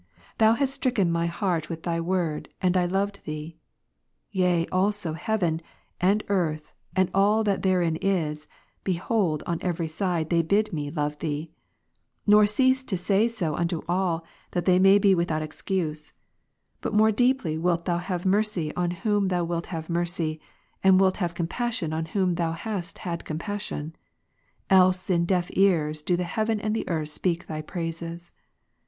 Thou hast stricken my heart with Thy word, and I loved Thee. Yea also heaven, and earth, and all that therein is, behold, on every side they bid Rom. 1, me love Thee ; nor cease to say so unto all, that they may be 15 '' ivithout excuse. But more deeply ivilt Thou have mercy on whom Thou ivilt have mercy, and wilt have compassion on whom Thou hast had compassion : else in deaf ears do the heaven and the earth speak Thy praises.